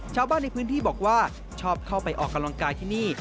ชาวบ้านในพื้นที่บอกว่าชอบเข้าไปออกกำลังกายที่นี่